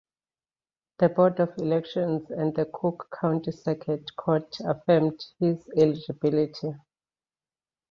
The Board of Elections and the Cook County Circuit Court affirmed his eligibility.